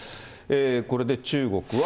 これで中国は。